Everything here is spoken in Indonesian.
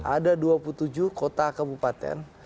ada dua puluh tujuh kota kabupaten